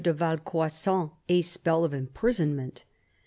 de Valcroissant a spell of imprisonment.